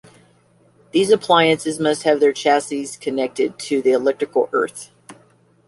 These appliances must have their chassis connected to electrical earth.